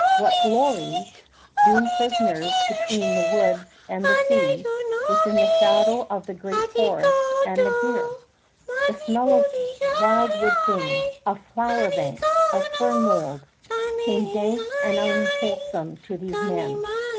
What glory, doomed prisoners between the woods and the sea within the shadow of the great forests and a great fear? The smell of wildwood things, of flower banks, of fern mold, came dank and unwholesome to these men.